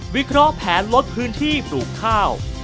วิเคราะห์แผนลดพื้นที่ปลูกข้าว